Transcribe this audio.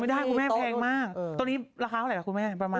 ได้คุณแม่แพงมากตอนนี้ราคาเท่าไหร่คุณแม่ประมาณ